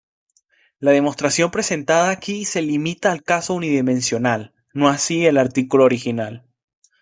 La demostración presentada aquí se limita al caso unidimensional, no así el artículo original.